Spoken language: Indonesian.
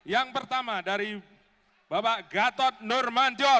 yang pertama dari bapak gatot nurmanjo tepuk tangan